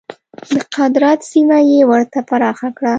د قدرت سیمه یې ورته پراخه کړه.